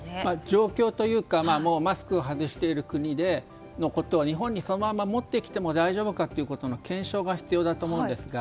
状況というかマスクを外している国でのことは日本にそのまま持ってきても大丈夫かということの検証が必要だと思うんですが。